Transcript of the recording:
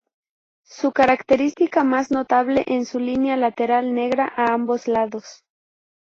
Su característica más notable es su línea lateral negra a ambos lados.